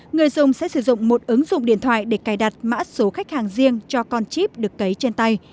người dùng sẽ sử dụng một ứng dụng điện thoại để cài đặt mã số khách hàng riêng cho con chip được cấy trên tay